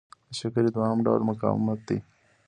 د شکرې دوهم ډول مقاومت دی.